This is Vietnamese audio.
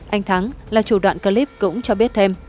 anh thắng là chủ đoạn clip cũng cho biết thêm